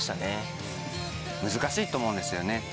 難しいと思うんですよね